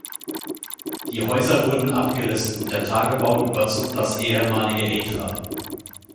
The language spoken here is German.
Die Häuser wurden abgerissen und der Tagebau überzog das ehemalige Eythra.